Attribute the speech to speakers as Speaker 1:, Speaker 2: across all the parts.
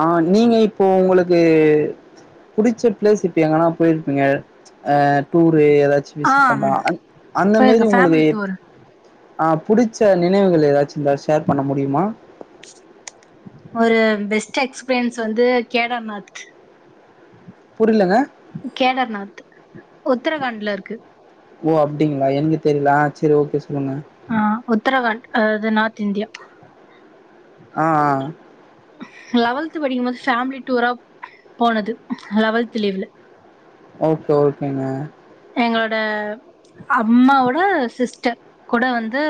Speaker 1: ஆ நீங்க எப் இப்போ உங்களுக்கு புடிச்ச பிளேஸ் இப்ப எங்கன்னா போயிருப்பீங்க ஆ டூ வே ஏதாச்சும்
Speaker 2: ஆ
Speaker 1: மிஸ் பண்ணா அந்த
Speaker 2: போயிருக்க
Speaker 1: மாரி
Speaker 2: ஃபேமிலி
Speaker 1: உங்களுக்குப்
Speaker 2: டூர்
Speaker 1: ஆ புடிச்ச நினைவுகள் ஏதாச்சு இருந்தா ஷேர் பண்ண முடியுமா
Speaker 2: ஒரு பெஸ்ட் எக்ஸ்பீரியன்ஸ் வந்து கேடமாத்
Speaker 1: புரிலங்க
Speaker 2: கேடார்நாத் உத்தரகாண்ட்ல இருக்கு
Speaker 1: சேரி ஓகே சி போங்க
Speaker 2: உத்தரகாண்ட் ஆ அது நார்த் இந்தியா
Speaker 1: ஆ ஆ
Speaker 2: லெவல்த் படிக்குபோது ஃபேமிலி டூரா போனது லெவல்த் லீவ்ல
Speaker 1: ஓகே ஓகேங்க
Speaker 2: எங்களோட அம்மாவோட சிஸ்டர் கூட வந்து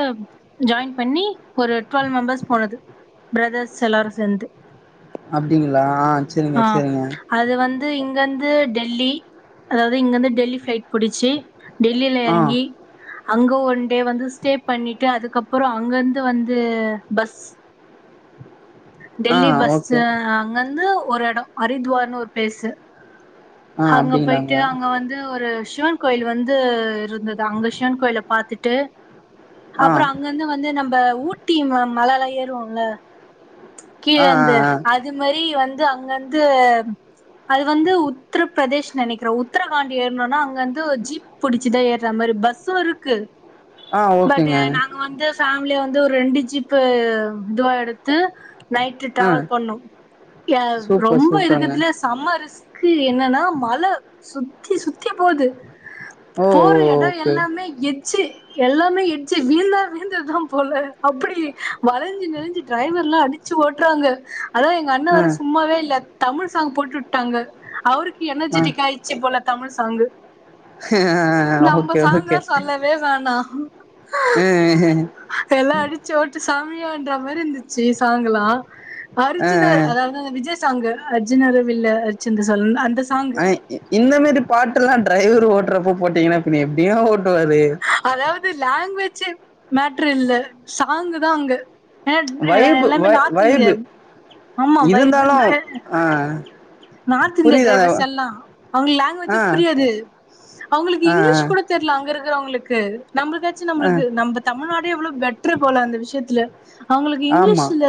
Speaker 2: ஜாயின் பண்ணி ஒரு டுவெல்வ் மெம்பர்ஸ் போனது பிரதர்ஸ் எல்லாரு சேர்ந்து
Speaker 1: அப்பிடிங்களா ஆ சேரிங்க சேரிங்க
Speaker 2: து இங்கந்து டெல்லி அதாவது இங்க இந்து டெல்லி பிளைட் புடிச்சி டெல்லியில
Speaker 1: ஆ
Speaker 2: இறங்கி அங்க ஒன் டே வந்து ஸ்டே பண்ணிட்டு அதுக்கப்புறோ அங்கந்து வந்து பஸ்
Speaker 1: ஆ
Speaker 2: டெல்லி
Speaker 1: ஓகே
Speaker 2: பஸ்ஸு அங்கந்து ஒரு எடோ அரித்வான்னு ஒரு பிலேஸ்
Speaker 1: ஆ
Speaker 2: ஹங்க
Speaker 1: அப்டிங்களாங்க.
Speaker 2: போயிட்டு அங்க வந்து ஒரு சிவன் கோயில் வந்து இரு ந்தது அங்க சிவன் கோயில பாத்துட் ட்டு
Speaker 1: ஆ
Speaker 2: அப்புறோ அங்கிருந்து வந்து நம்ப ஊட்டி மழலா ஏறுவோல்ல கீழ
Speaker 1: ஆ ஆ
Speaker 2: அந்து அது மாரி வந் து அங்க இந்து அது வந்து உத்தரப்பிரதேஷ் நெனைக்கிறே உத்தரகாண்ட் ஏறனும்னா அங்க இந்து ஜீப் புடிச்சுதா ஏறுற மாரி பஸ்ஸு இருக்கு
Speaker 1: ஆ ஆ
Speaker 2: பட்
Speaker 1: ஓகேங்க.
Speaker 2: நாங்க வந்து ஃபே உள்ளியே வந்து ஒரு ரெண்டு ஜிப்பு இதுவா எடுத் த்து நைட்
Speaker 1: ஆ
Speaker 2: டிரவல் பண்ணு ஏ
Speaker 1: சூப்பர்
Speaker 2: ரொம்ப
Speaker 1: சூப்பருங்க.
Speaker 2: இருக்கதுலே சம்மரிஸ் க்கு என்னன்னா மழ சுத்தி சுத்தி போது
Speaker 1: ஓ ஓ
Speaker 2: போர எடோ
Speaker 1: ஓகே.
Speaker 2: எல்லாமே எத் ச்சு எல்லாமே இட்ச்சு வீழ்ந்தா வீழ்ந்ததுதா போல அப்புடி வளஞ்சு நெளுஞ்சு டிரைவர்லா அடிச்சு ஓட்றாங்க அது எங்க அண்ண
Speaker 1: ஆ
Speaker 2: வேற சும்மாவே இல்ல தமிழ் சாங் போட்டு உட்டாங்க அவருக்கு
Speaker 1: ஆ
Speaker 2: எனர்ஜிட்டிக் ஆயிர்ச்சு போல தமிழ் சாங்கு நம்ம
Speaker 1: ஓகே ஓகே
Speaker 2: சாங்லா சொல்லவே வேணா
Speaker 1: ஆஹ்
Speaker 2: எல்லா அடிச்சு ஓட்டு சாமியான்ற மாரி இருந்து ச்சு சாங்குலா
Speaker 1: அ
Speaker 2: அருஜின அதா அதாத விஜய் சாங்கு அர்ஜுனரு வில்லு அரிச்சந்திர சொல்லுன் அந்
Speaker 1: அய் இந்த மாரி பாட்டுல்லா ட்ரைவர் ஓட்றப்ப போட்டீங்கனா பின்ன எப்படிங்க ஓ
Speaker 2: அதாவுது லாங்வெச்சே மேட்ரு இல்ல சாங்கு தா அங்க ஏன்னா
Speaker 1: வைபு வ
Speaker 2: எல்லாமே நார்த்
Speaker 1: வைபு
Speaker 2: இந்தியன் ஆமா வைப்
Speaker 1: இருந்தாலு ஆ
Speaker 2: நார்த் இந்தியா
Speaker 1: புரியுது அ
Speaker 2: டிரைவர்ஸ் எல்லா அவுங்க
Speaker 1: ஆ
Speaker 2: லாங்வேஜு புரியாது அவுங்களுக்கு
Speaker 1: ஆ ஆ
Speaker 2: இங்லிஷ் கூட தெர்ல அங்கரு க்குறவுங்களுக்கு நம்பளுக்காச்சு
Speaker 1: ஆ
Speaker 2: நம்மளுக்கு நம்ப தமிழ்நாடு எவ்ளோ பெட்ரு போல அந்த விஷ்யத்துல ஆ அவுங்களுக்கு
Speaker 1: ஆமா
Speaker 2: இங்லிஷு ல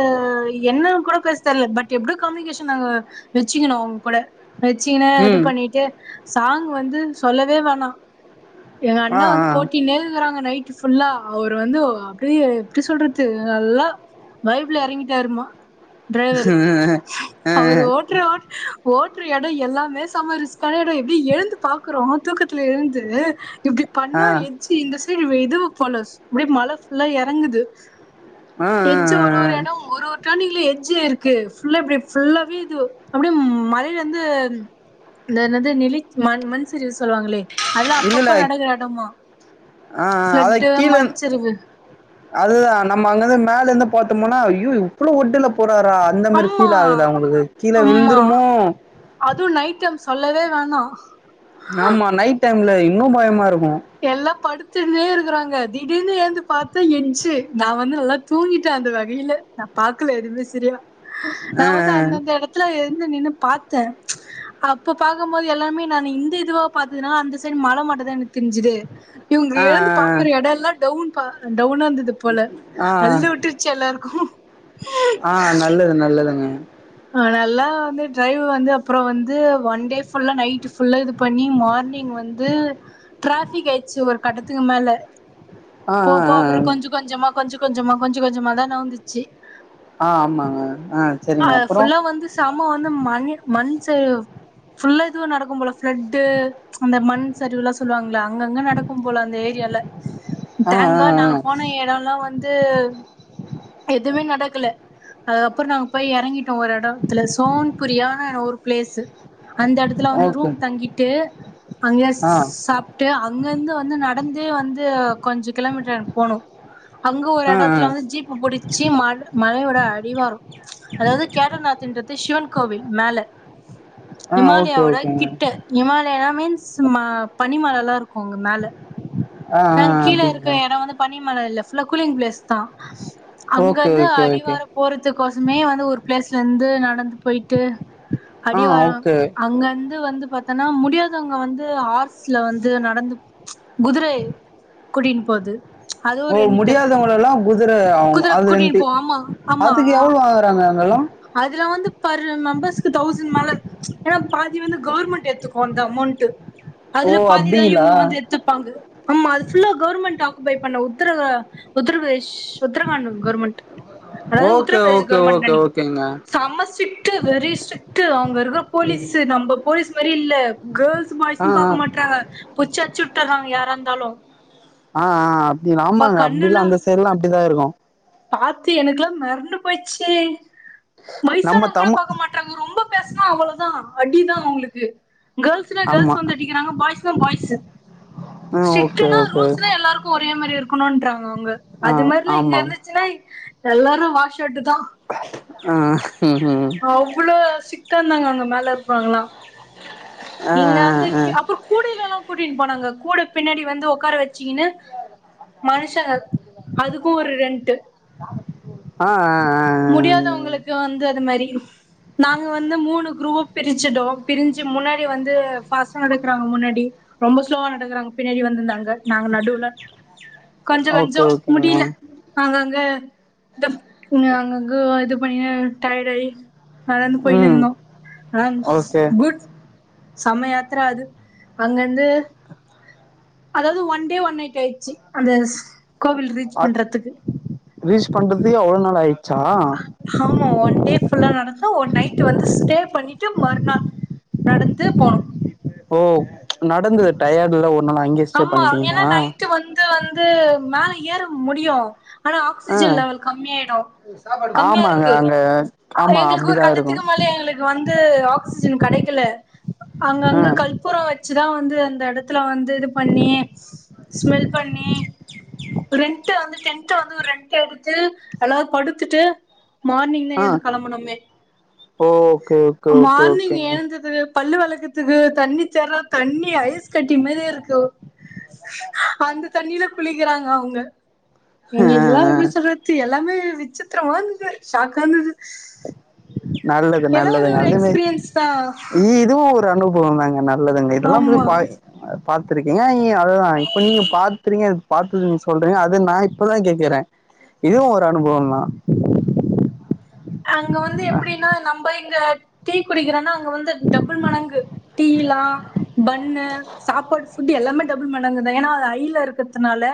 Speaker 2: என்னா கூட பேச தெர்ல பட் எப்டியோ கம்யூனிகேஷன் நாங்க வச்சுக்கினோ அவுங்கூட வச்சிகினே இது
Speaker 1: ம்
Speaker 2: பண்ணிட்டு சாங் வந்து சொல்லவே வேணா எங்க
Speaker 1: ஆ
Speaker 2: அண்ண வந்து
Speaker 1: ஆ
Speaker 2: போட்டின்னே இருகுறாங்க நை ட்டு ஃபுல்லா அவர் வந்து அப்டியே எப்டி சொல்றது நல்லா வைப் ல எறங்கிட்டாரு மா
Speaker 1: அ அ
Speaker 2: ட்ரோ ஓட்ற எடொ எல்லாமே சம்ம ரிஸ்க்கான எடொ எப்டி எழுந்து பாக்குறோ தூக்கத்துல எழுந்து இப்டி பண்ணா
Speaker 1: ஆ
Speaker 2: ஏன்ச்சி இந்த [unintelligible] போல அப்டியே மல ஃபுல்லா எறங்குது
Speaker 1: ஆ
Speaker 2: எட்ஜு ஒரு ஒரு எடொ ஒரு ஒரு டனி ங் எட்ஜு இருக்கு ஃபுல்லா இப்டி ஃபுல்லாவே இது அப்டியே மலைலந்து இந்த என்னது நெளி மண் மண்சரிவு சொல்லுவாங்களே அதுலா
Speaker 1: இல்லல்ல
Speaker 2: அப்பப்ப நடக்குற எடமா
Speaker 1: ஆ அத
Speaker 2: ஃப்ளட்டு
Speaker 1: கீழ
Speaker 2: மண் சரிவு
Speaker 1: பாத்தோமுன்னா ஐயோ இவ்ளொ ஒட்டுல போறா ரு அந்த மாரி
Speaker 2: அம்மா
Speaker 1: ஃபீல் ஆகுதா உங்களுக்கு கீழ
Speaker 2: அம்மா
Speaker 1: விழுந்துருமோ
Speaker 2: அதுவு நைட் டைம் சொல்லவே வேணா
Speaker 1: நாமா நைட் டைம் ல இன்னு பயமா இரு
Speaker 2: எல்லா படுத்துனே இருக்குறாங்க திடீர்னு ஏந்து பாத்தா எட்ஜு நா வந்து நல்லா தூங்கிட்டே அந்த வகையில நா பாக்கல எதுவ்மே செரியா நா
Speaker 1: ஆ
Speaker 2: வந்து அந்தந்த எடத்துல எ ந்து நின்னு பாத்தே அப்ப பாக்கும்போது எல்லாமே நானு இந்த இதுவா பாத்ததுனா அந்த சைடு மல மட்டுதா எனக் தெர்ஞ்சது இவுங்க
Speaker 1: ஆ
Speaker 2: எழுந்து பாக்குற எட எல்லா டவுன் பா அன் டவுனா இந்தது போல
Speaker 1: ஆ ஆ
Speaker 2: அல்லு உட்ருச்சு எல்லாருக்கு
Speaker 1: ஆ நல்லது நல்லதுங்க
Speaker 2: ஆ நல்லா வந்து டரைவ் வந்து அப்றொ வந்து ஒன் டே ஃபுல்லா நைட்டு ஃபுல்லா இது பண்ணி மார்னிங் வந்து ட்ராஃபிக் ஆயிச்சு ஒரு கட்டத்துக்கு மேல
Speaker 1: ஆ ஆ
Speaker 2: போப்போ
Speaker 1: ஆ
Speaker 2: அப்ற கொஞ்ச கொஞ்சமா கொஞ்ச கொஞ்சமா கொஞ்ச கொஞ்சமா தா நவுந்துச்சு
Speaker 1: ஆ ஆமாங்க ஆ சேரிங்க
Speaker 2: அது
Speaker 1: அப்ப
Speaker 2: ஃபுல்லா வந்து சம வந்து மண் மண் ச ஃபுல்லா‌ இதுவ நடக்கும் போல ஃப்ளட்டு அந்த மண் சரிவுலா சொல்லுவாங்ல அங்கங்க நடக்கும் போல அந்த ஏரியால
Speaker 1: ஆ
Speaker 2: தேங்
Speaker 1: ஆ
Speaker 2: காட்
Speaker 1: ஆ
Speaker 2: நாங்க போன எடல்லா வந்து எதுமே நடக்கல அதப்றொ நாங்க போய் எறங்கிட்டோ ஒரு எடத்துல சோன்புரியா ஒரு ப்ளேஸு அந்த எடத்துல வந்து
Speaker 1: ஓகே
Speaker 2: ரூம் தங்கிட்டு அங்யே
Speaker 1: ஆ
Speaker 2: சாப்ட்டு அங்கந்து வந்து நடந்தே வந்து கொஞ்ச கிலோமீட்ரு அங்கட் போனு அங்க ஒரு
Speaker 1: ஆ ஆ
Speaker 2: எடத்துல வந்து ஜிப் முடிச்சி மழ மலையோட அடிவாரம் அதாவது கேட்டர்நாத் இன்றது சிவன் கோவில் மேல
Speaker 1: ஆ ஓகே
Speaker 2: ஹிமாலயாவோட
Speaker 1: ஓகேங்க
Speaker 2: கிட்ட ஹிமாலயனா மீன்ஸ் சும்மா பனிமழல்லாம் இருக்கும் அங்க மேல
Speaker 1: ஆ
Speaker 2: நாங்க
Speaker 1: ஆ
Speaker 2: கீழே இருக்க
Speaker 1: அப்டிங்களா
Speaker 2: எடம் வந்து பனிமல இல்ல நல்லா கூலிங் பிளேஸ் தா அங்க
Speaker 1: ஓகே
Speaker 2: இந்து
Speaker 1: ஓகே ஓகே
Speaker 2: அடிவார போறதுக்கொசமே வந்து ஒரு பிளேஸ் செந்து நடந்து போயிட்டு
Speaker 1: ஆ
Speaker 2: அடி வார
Speaker 1: ஓகே
Speaker 2: அங்க இருந்து வந்து பாத்தன்னா முடியாதவங்க வந்து ஆர்ஸ்ல வந்து நடந்து குதிரை கூட்டின்னு போது
Speaker 1: ஓ
Speaker 2: அதுவும் ரெண்ட்
Speaker 1: முடியாதவங்களல்லாம் குதர அவுங்
Speaker 2: குதிரை கூட்டின்னு
Speaker 1: அதுலன்ட்டி
Speaker 2: போ ஆமா ஆமா
Speaker 1: அதுக்கு எவ்ளோ
Speaker 2: ஆ-
Speaker 1: வாங்கறாங்க
Speaker 2: அதுல வந்து பர் மெம்பர்ஸ்கு தௌசண் மேல ஏனா பாதி வந்து கவுர்மெண்ட் எத்துக்கும் அந்த அமௌண்ட்டு
Speaker 1: ஓ
Speaker 2: அதுல பாதிதான்
Speaker 1: அப்டிங்களா
Speaker 2: இவுங்க வந்து எத்துப்பாங்க ஆமா அது ஃபுல்லா கவர்மெண்ட் ஆ க்பை பண்ண உத்தரவு உத்தர பிரதேஷ் உத்தரகாண்ட் கவுர்மெண்ட்டு அதாவது
Speaker 1: okay
Speaker 2: Uttar Pradesh
Speaker 1: okay
Speaker 2: government
Speaker 1: okay
Speaker 2: நெனக்க
Speaker 1: ஓகேங்க
Speaker 2: சம்ம ஷிட்டு வெரி ஸ்ட்ரிட்டு அங்க இருக்கற போலீஸ்ஸு நம்ப போலீஸ் மாரி து இல்ல கேள்ஸ்
Speaker 1: ஆ
Speaker 2: பாய்ஸ்ன்னு பாக்க
Speaker 1: ஆ
Speaker 2: மாட்றாங்க புச்சு அச்சுட்டராங்க யாரா இந் தாலோ
Speaker 1: ஆ ஆ அப்டி ஆமாங்க அப்டில்லாம் அந்த சைடுல்லாம் அப்டிதான் இருக்கும்
Speaker 2: பாத்து எனக்குலாம் மெறண்டு போய்ச்சி
Speaker 1: நம்ம
Speaker 2: வைசானவங்க கூட
Speaker 1: தமி
Speaker 2: பாக்க மாட்றாங்க ரொம்ப பேஸ்னா அவ்ளோதான் அடிதா அவுங்களுக்கு கேள்ஸ்னா
Speaker 1: ஆமா
Speaker 2: கேள்ஸ் வந்து அடிக்கிறாங்க பாய்ஸுனா பாய்ஸ்ஸு
Speaker 1: ஆ ஓகே
Speaker 2: ஷிட்டுனா
Speaker 1: ஓகே
Speaker 2: ரூல்ஸ்தா எல்லாருக்கும் ஒரே மாரி இருக்கணுன்றாங்க அவுங்க
Speaker 1: ஆ
Speaker 2: அது மாரிலா இங்க
Speaker 1: ஆமா
Speaker 2: இருந்துச்சின்னா எல்லாரு வாஷௌட்டு தான்
Speaker 1: ம் ம்
Speaker 2: அவ்ளோ சி ட்டா இந்தாங்க அவுங்க மேல இருக்கவங்களா
Speaker 1: ஆ
Speaker 2: நீங்க வந்து
Speaker 1: ஆ
Speaker 2: கி அப்போ கூடைலலாம் கூட்டின் போனாங்க கூட பின்னாடி வந்து உக்கார வச்சிகின்னு மனுஷங்க அதுக்கும் ஒரு ரெண்ட்டு
Speaker 1: ஆ ஆ ஆ
Speaker 2: முடியாதவங்களுக்கு வந்து அது மாரி நாங்க வந்து மூணு குரூவா பிரிஞ்சிட்டோ பிரிஞ் சி முன்னாடி வந்து பாஸ்டா நடக்கறாங்க முன்னாடி ரொம்ப ஸ்லோவா நடக்குறாங்க பின்னாடி வந்துந்தா அங்க நாங்க நடுவுல
Speaker 1: ஆ ஓகே ஓகேங்க
Speaker 2: தம் உன்னு அங்கங்க இது பண்ணின்னே டயடாயி நடந்து
Speaker 1: ம்
Speaker 2: போயிட்னுந்தோ ஆம்ஸ்
Speaker 1: ஓகே
Speaker 2: குட் சமயாத்ர அது அங்கந்து அதாவது ஒன் டே ஒன் நைட் அயிடுச்சு அந்தஸ் கோவில் ரீச்
Speaker 1: அ
Speaker 2: பண்றத்துக்கு
Speaker 1: ரீச் பண்றதே அவ்ளோ நாள் ஆயிட்
Speaker 2: ஆமா ஒன் டே ஃபுல்லா நடந்து ஒன் நைட்டு வந்து ஸ்டே பண்ணிட்டு மறுநாள் நடந்து போனோ
Speaker 1: ஓ நடந்து டயடுல ஒன்
Speaker 2: அம்மா ஏனா நைட்டு வந்து வந்து மேல எற முடியு ஆனா
Speaker 1: ஆ
Speaker 2: ஆக்சிஜன் லெவல் கம்மியாயிடும்
Speaker 1: ஆமாங்க
Speaker 2: கம்மியாருக்கு
Speaker 1: அங்க ஆமா
Speaker 2: எங்ளுக்கு ஒரு
Speaker 1: அப்டிதா இருக்கு
Speaker 2: கட்டத்துக்கு மேல எங்ளுக்கு வந்து ஆக்சிஜன் கடை கில்ல
Speaker 1: ஆ
Speaker 2: அங்கங்க கல்பூரோ வச்சு இதா வந்து அந்த எடத்துல வந்திடுப் பண்ணி ஸ்மெல் பண்ணி ரெண்ட்டு வந்துட்டு டென்டு வந்து ஒரு ரெண்ட் எடுத்து எல்லாரு படுத்துட்டு மார்னிங் தா எழுந்து கெளம்பனமே
Speaker 1: ஓ கே ஓகே ஓகே ஓகேங்க
Speaker 2: எழுந்ததுக்கு பல்லு வெளக்கத்துக்கு தண்ணி தெற தண்ணி ஐஸ் கட்டி மாதிரியே இருக்கு அந்த தண்ணில குளிக்கிறாங்க அவுங்க
Speaker 1: ஆ
Speaker 2: எங்களுகெல்லா
Speaker 1: ஆ
Speaker 2: எப்டி சொல்றாத்தி எல்லாமே விசித்ரமா இருந்தது ஷாக்காருந்தது
Speaker 1: நல்லது நல்லது அதுமே
Speaker 2: எக்ஸ்பீரியன்ஸ் தா
Speaker 1: இ து ஒத் இது அனுபோந்தாங்க நாத் நல்லதுங்க இதெல்லா போய்
Speaker 2: ஆமா
Speaker 1: பாய் அ பாத்துருக்கீங்க நீ அதுதா இப்ப நீங்க பாத்துறீங்க பாத்து நீங்க சொல்றீங்க அது நா இப்பதா கேக்குற இதுவு ஒரு அனுபவம் தா
Speaker 2: அங்க வந்து எப்டினா நம்பய் இங்க டீ குடிக்றனா அங்க வந்து டபுள் மடங்கு டீயிலா பன்னு சாப்பாடு ஃபுட் எல்லாமே டபுள் மடங்குதா ஏன்னா அது ஹைல இருக்குறதுனால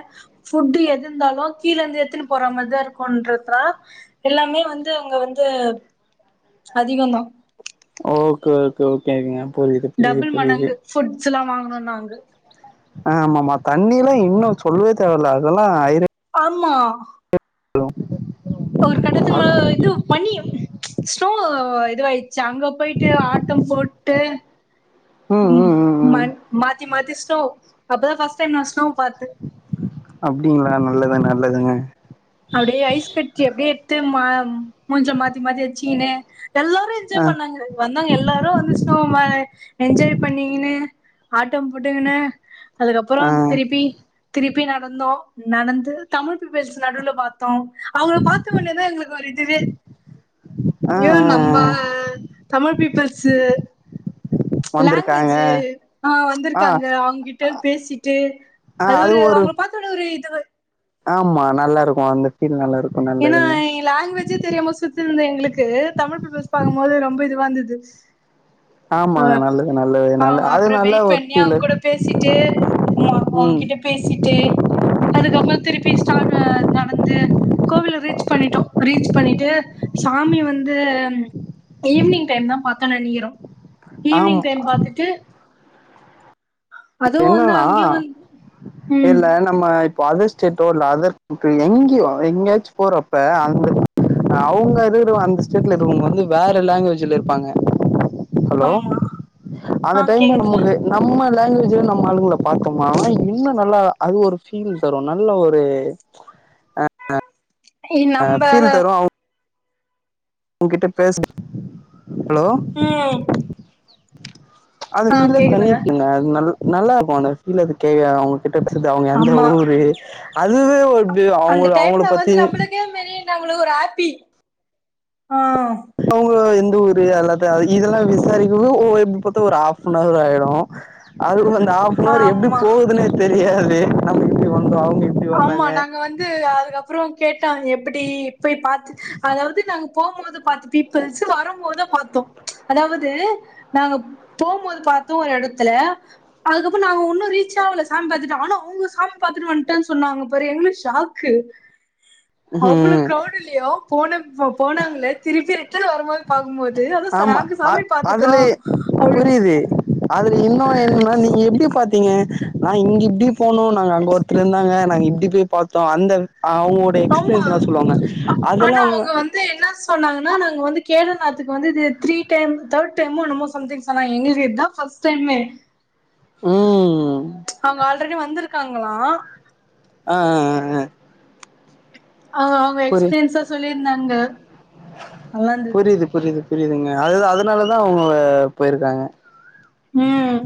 Speaker 2: ஃபுட்டு எது இருந்தாலு கீழ இருந்து எடுத்துன்னு போற மாரிதா இருக்குன்றதுனால எல்லாமே வந் து அங்க வந்து அதிகந்தா
Speaker 1: ஓகே ஓகே ஓகேங்க புரியுது புரியுது
Speaker 2: டபுள்
Speaker 1: புரியுது
Speaker 2: மணங்கு ஃபுட்ஸ்ல்லா வாங்குனோ னோ நாங்க
Speaker 1: ஆ ஆமாமா தண்ணில்ல இன்னு சொல்லவே தேவயில்ல அதெல்லா ஆயிர
Speaker 2: ஆமா
Speaker 1: ஹலோ
Speaker 2: ஒரு கட்டத்துக்கு மேல இது பண்ணியும் ஸ்னோ இதுவாயிடுச்சு அங்க போயிட்டு ஆட்டம் போட்டு ம் மண் மாத்தி மாத்திஸ் தோ அப்பதா ஃபஸ்ட் டைம் நா ஸ்னோ பாத்து
Speaker 1: அப்டிங்களா நல்லது நல்லதுங்க
Speaker 2: உம்மா முஞ்ச மாத்தி மாத்தி வெச்சுகின்னு எல்லோரு
Speaker 1: ஆ
Speaker 2: என்ஜாய் பண்ணாங்க வந்தவங்க எல்லாரு வந்து ஸ்னோ மேல என்ஜாய் பண்ணீகின்னு ஆட் ட்டம் போட்டுகின்னு அதுக்கப்புறோ
Speaker 1: ஆ
Speaker 2: திருப்பி திருப்பி நடந்தோ நடந்து தமிழ் பீப்பிள்ஸ் நடுவுலப் தோ அவங்க பாத்த ஒன்னேதா எங்களுக்கு ஒரு இதுவே
Speaker 1: ஆ ஆ
Speaker 2: நம்ப
Speaker 1: ஆ
Speaker 2: தமிழ் பீப்பிள்ஸ் சேர்
Speaker 1: வந்திருக்காங்க
Speaker 2: லாங்குவேஜ் ஆ
Speaker 1: ஆ
Speaker 2: வந்துருக்காங்க அவங்கிட்ட பேசிட்டு அது ஒரு அவங்கள பாத்தோன ஒரு இதுவா
Speaker 1: ஆமா நல்லா இருக்கு அந்த பீல் நல்லா இருக்
Speaker 2: ஏன்னா எ லாங்குவேஜே தெரியாம சுத்தின்னு இருந்தோ எங்களுக்கு தமிழ் பீப்பிள்ஸ் பாக்கும் போது ரொம்ப இதுவா இருந்தது அ
Speaker 1: ஆமாங்க. நல்லது, நல்லது.
Speaker 2: ஆ
Speaker 1: நல்ல
Speaker 2: அவங்க
Speaker 1: அது
Speaker 2: அப்புறோ
Speaker 1: நல்ல
Speaker 2: வெயிட்
Speaker 1: ஒரு
Speaker 2: பண்ணி அவங்க
Speaker 1: ஃபீலு.
Speaker 2: கூட பேசிட்டு ஆமா அவங்க
Speaker 1: ம்.
Speaker 2: கிட்ட பேசிட்டே அதுக்கப்புறோ திருப்பி ஸ்டாட் நடந்து கோவில ரீச் பண்ணிட்டோ ரீச் பண்ணிட்டு சாமி வந்து ஈவினிங் டைம்தா பாத்தன் நெனைக்கிறோ
Speaker 1: ஆமா.
Speaker 2: ஈவினிங் டைம் பாத்துட்டு அதுவு வந்து
Speaker 1: என்னன்னா
Speaker 2: அங்கயு வந்து ம்
Speaker 1: இல்ல நம்ம இப் இப்போ அதர் ஸ்டேட்டோ இல்ல அதர் க் எங்கயோ எங்கயாச்சு போறப்ப அந்த அவங்க இருக்குற அந்த ஸ்டேட்ல இருவங்க வந்து வேற லாங்குவேஜ்ல இருப்பாங்க ஹலோ
Speaker 2: ஆமா ஆ
Speaker 1: அந்த டைம்
Speaker 2: கேக்குதுங்க
Speaker 1: நமக்கு நம்ம லாங்வேஜு நம்ம ஆளுங்கள பாத்தோமா ஆனா இன்னு நல்ல அது ஒரு பீல் தரு நல்ல ஒரு
Speaker 2: நம்ப
Speaker 1: உன்கிட்ட பேசு ஹலோ
Speaker 2: ம்
Speaker 1: அது
Speaker 2: ஆ
Speaker 1: கீழ தண்ணி
Speaker 2: கேக்குதுங்க
Speaker 1: இருக்குங்க அது நல்ல நல்லா இருக்கு அந்த ஃபீல் அதுக்கேயா அவங்களுக்கு கிட்ட பேசுறது அவுங்க எந்த
Speaker 2: ஆமா
Speaker 1: ஊரு அதுவே ஒரு இப்டி அவங்க
Speaker 2: அந்த
Speaker 1: அவங்கள
Speaker 2: டைம்ல வந்து
Speaker 1: பத்தி
Speaker 2: நம்மளுக்கே ஒரு மாறி நம்மளுக்கு ஒரு உப்பி
Speaker 1: அவுங்க ல்ல இதெல்லா விசாரிக்க எப்டி பாத்தா ஒரு ஆப் அன் ஹவர் ஆயிடு அதுக்கு பிற ஹாபன் அவர் எப்டி
Speaker 2: ஆமா
Speaker 1: போகுதுன்னே தெரியாது ஆன இப்டி வந்தோ அவங்க இப்டி
Speaker 2: ஆமா
Speaker 1: வந்தாங்க
Speaker 2: நாங்க வந்து அதுக்கப்றோ கேட்டா எப்டி போய் பாத்து அதாவது நாங்க போகும்போது பாத்த பீப்பிள்ஸ் வரும்போது பாத்தோ அதாவது நாங்க போகும்போது பாத்தோ ஒரு எடத்ல அதுக்கப்றோ நாங்க ஒன்னு ரீச் ஆகல சாமி பாத்துட்டு ஆனா அவுங்க சாமி பாத்து வன்ட்டா ன்னு சொன்னாங்க பாரு எங்களுக்கு ஷாக்கு அவ்வளவு
Speaker 1: ம்
Speaker 2: க்ரௌட்டிலையு போன போனாங்கள திருப்பி ரிட்டர்ன் வரும் போது பாக்கும்போது அத
Speaker 1: ஆமா
Speaker 2: நாங்க
Speaker 1: அ
Speaker 2: சாமி பாத்துட்டோ
Speaker 1: அதுல
Speaker 2: அப்டின்னு
Speaker 1: புரியுது அதுல இன்னு என்னன்னா நீங்க எப்டி பாத்தீங்க நா இங்க இப்டி போனோ நாங்க அங்க ஒருத்தர் இருந்தாங்க நாங்க இப்டி போய் பாத்தோம் அந்த அவுங்களுடைய
Speaker 2: ஆமா ஆனா அவுங்க வந்து என்னா சொன்னாங்கனா இங்க வந்து கேதநாத்துக்கு வந்து இது த்ரீ டைம் த்தேட் டைம் என்னமோ சம்திங் சொன்னாங்க எங்களுக்கு இதா ஃப்ஸ்ட் டைமே
Speaker 1: உம்
Speaker 2: அவுங்க ஆல்ரெடி வந்துரு க்காங்களா
Speaker 1: ஆ ஆ ஆ
Speaker 2: ஆ அவுங்க
Speaker 1: புரி
Speaker 2: எக்ஸ்பீன்ஸா சொல்லி ன்னாங்க
Speaker 1: புரியுது புரியுது புரியுதுங்க அது அதனாலதா அவுங்க போய்ருக்காங்க
Speaker 2: உம்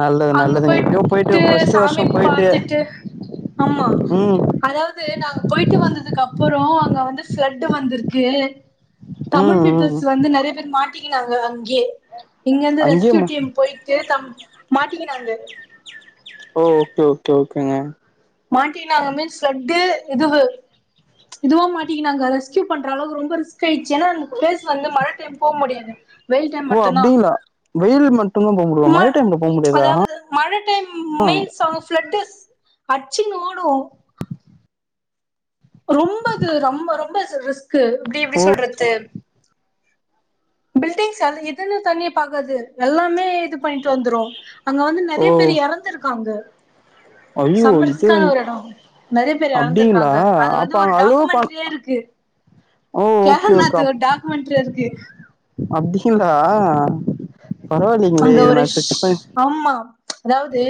Speaker 1: நல்லது
Speaker 2: அங்க
Speaker 1: நல்லதுங்க
Speaker 2: போய்
Speaker 1: எப்டியோ போயிட்டு
Speaker 2: ட்டு
Speaker 1: ஃபர்ஸ்ட்
Speaker 2: சாமி
Speaker 1: வருஷோ போயிட்டு
Speaker 2: பாத்துட்டு ஆமா
Speaker 1: ம்
Speaker 2: அதாவது நாங்க போய்ட்டு வந்தது கப்புறோ அங்க வந்து ஃபிலெட்டு வந்துருக்கு தமிழ்
Speaker 1: ம்
Speaker 2: பீபுள்ஸ்
Speaker 1: ம்
Speaker 2: வந்து நெறய பேரு மாட் பீன்னாங்கலா அங்கே இங்கந்து ரெஸ்கியூ
Speaker 1: அங்கேயுமா
Speaker 2: டீம் போய்ட்டு தம் மாட்டிகினாங்க
Speaker 1: ஓ ஓகே ஓகே ஓகேங்க
Speaker 2: மாட்டினாங்க மீன்ஸ் ஷெட்டு இதுவ் இதுவு மாட்டிங்கினாங்க ரெஸ்கியூ பண்ற அளவுக்கு ரொம்ப ரிஸ்க் பேய்ச்சி எனா பேஸ் வந்து மழ டைம் போ முடியாது வெயில் டைம்
Speaker 1: ஓ
Speaker 2: மட்டு்தா
Speaker 1: அப்டிங்களா வெயில் மட்டுந்தா போ முடியுமா
Speaker 2: ம
Speaker 1: மழை டைம்ல போ முடியாதா
Speaker 2: அதாவது மழ டைம் மெய்ன்ஸ் ஆஃப் ஃபிலெட்ஸ் அச்சுனு ஓடு ரொம்ப அது ரொம்ப ரொம்ப ஸ் ரிஸ் க்கு இப்பிடி எப்பிடி
Speaker 1: ஓ
Speaker 2: சொல்றத்து பில்டிங்ஸ் அத எதுன்னு தண்ணிய பாக்காது எல்லாமே இது பண்ட்டு வந்துரு அங்க வந்து
Speaker 1: ஓ
Speaker 2: நெறைய பேரு எறந்துருக்காங்க
Speaker 1: ஐயோ இது
Speaker 2: சமர்ஸ்க்காக ஒரு எடோ நெறய பேரு
Speaker 1: அப்டிங்களா
Speaker 2: எறந்துருக்காங்க அது
Speaker 1: அப்ப
Speaker 2: வந்து ஒரு
Speaker 1: அங்க அலோ பண்
Speaker 2: டாக்குமெண்டட்ரியே இருக்கு
Speaker 1: ஓ ஓகே
Speaker 2: கேகர்நாத் ஒரு டாக்குமென்ட்ரி இருக்கு
Speaker 1: அப்பிடிங்களா
Speaker 2: அங்க ஒரு ஆமா அதாவது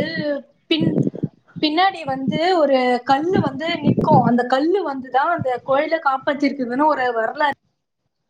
Speaker 2: பின் பின்னாடி வந்து ஒரு கல்லு வந்து நிக்கு அந்த கல்லு வந்து தா அந்த கோயில காப் பச்சிருக்குதுனு ஒரு வரலாறு